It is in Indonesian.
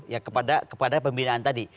ya kepada pembinaan tadi